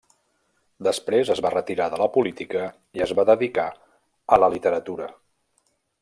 Després es va retirar de la política i es va dedicar a la literatura.